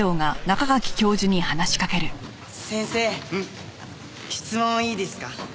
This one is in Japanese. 先生質問いいですか？